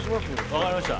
分かりました